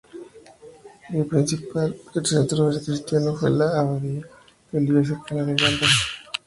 El principal centro cristiano fue la abadía de Oliva cerca de Gdansk.